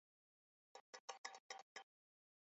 奉化西坞外向科技园区也位于西坞街道。